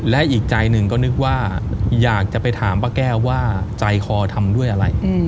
และอีกใจหนึ่งก็นึกว่าอยากจะไปถามป้าแก้วว่าใจคอทำด้วยอะไร